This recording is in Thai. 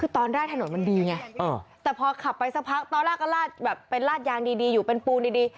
คือตอนแรกถนนมันดีไงแต่พอขับไปสักพักตอนแรกก็ลาดแบบเป็นลาดยางดีอยู่เป็นปูนดี